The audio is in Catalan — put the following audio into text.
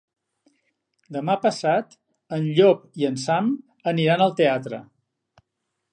Demà passat en Llop i en Sam aniran al teatre.